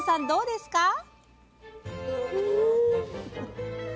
どうですか？